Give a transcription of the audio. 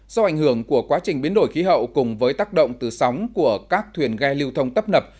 do ảnh hưởng của quá trình biến đổi khí hậu cùng với tác động từ sóng của các thuyền ghe lưu thông tấp nập